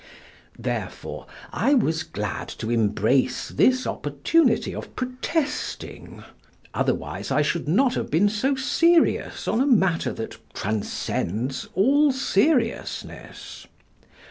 Therefore I was glad to embrace this opportunity of protesting. Otherwise I should not have been so serious on a matter that transcends all seriousness.